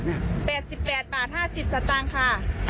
๘๘บาท๕๐สตางค์ค่ะ